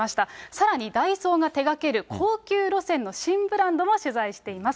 さらにダイソーが手がける高級路線の新ブランドも取材しています。